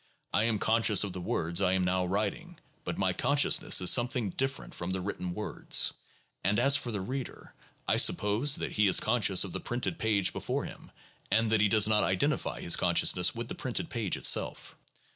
I am conscious of the words I am now writing, but my consciousness is something different from the written words. And as for the reader, I suppose that he is conscious of the printed page before him, and that he does not identify his consciousness with the printed page itself.